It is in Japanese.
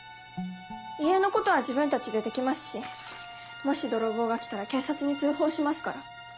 家の事は自分たちでできますしもし泥棒が来たら警察に通報しますから。